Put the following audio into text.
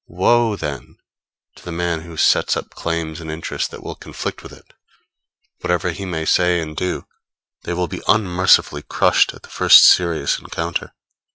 Woe, then, to the man who sets up claims and interests that will conflict with it; whatever he may say and do, they will be unmercifully crushed at the first serious encounter.